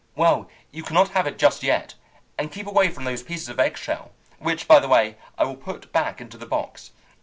Well, you cannot have it just yet, and keep away from those pieces of eggshell, which, by the way, I will put back into the box.